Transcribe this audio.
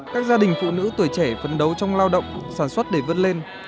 các gia đình phụ nữ tuổi trẻ phấn đấu trong lao động sản xuất để vươn lên